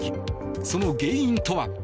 その原因とは。